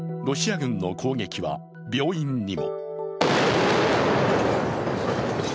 ロシア軍の攻撃は病院にも。